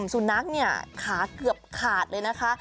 สุนนักขาเกือบขาดเลยนะคะ